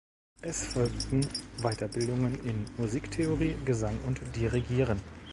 Es folgen Weiterbildungen in Musiktheorie, Gesang und Dirigieren.